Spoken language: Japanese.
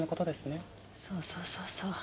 そうそうそうそう。